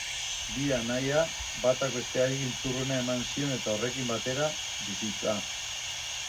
Bi anaia, batak besteari giltzurruna eman zion eta horrekin batera, bizitza.